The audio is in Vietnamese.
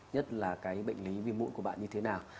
nhất là cái bệnh lý viêm mụn của bạn như thế nào